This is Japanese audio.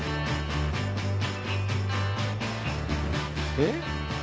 えっ？